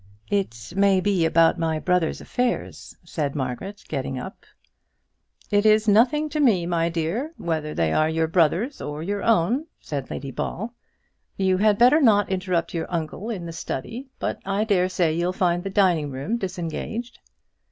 "It may be about my brother's affairs," said Margaret, getting up. "It is nothing to me, my dear, whether they are your brother's or your own," said Lady Ball; "you had better not interrupt your uncle in the study; but I daresay you'll find the dining room disengaged."